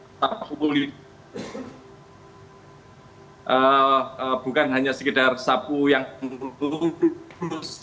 bahwa tidak hanya sekedar sapu bukan hanya sekedar sapu yang berkursi